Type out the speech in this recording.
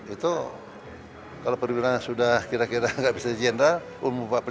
itu kalau perwira sudah kira kira gak bisa jenderal